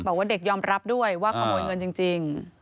บอกว่าเด็กยอมรับด้วยว่าขโมยเงินจริง